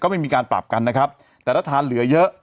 ไม่มีการปรับกันนะครับแต่ถ้าทานเหลือเยอะ